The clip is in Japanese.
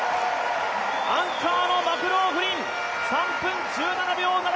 アンカーのマクローフリン、３分１７秒７９。